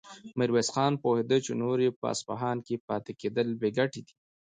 ميرويس خان پوهېده چې نور يې په اصفهان کې پاتې کېدل بې ګټې دي.